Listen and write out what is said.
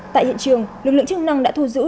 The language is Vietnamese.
tại hiện trường lực lượng chức năng đã thu giữ